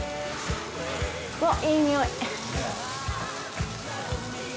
うわっいい匂い。